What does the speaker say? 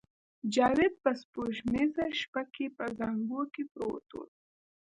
جاوید په سپوږمیزه شپه کې په زانګو کې پروت و